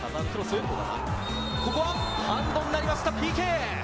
ここはハンドになりました、ＰＫ。